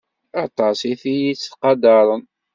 Aṭas ay t-yettqadaren.